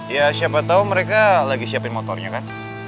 ya siapa tau mereka lagi siapin motornya kan